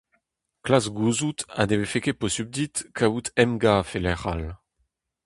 Klask gouzout ha ne vefe ket posupl dit kaout emgav e lec'h all.